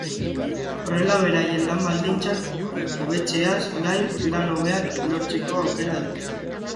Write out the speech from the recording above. Horrela beraien lan baldintzak hobetzeaz gain lan hobeak lortzeko aukera dute.